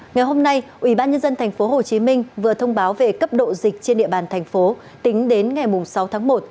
ngày hôm nay ubnd tp hcm vừa thông báo về cấp độ dịch trên địa bàn thành phố tính đến ngày sáu tháng một